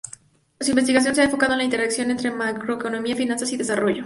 Su investigación se ha enfocado en la interacción entre macroeconomía, finanzas, y desarrollo.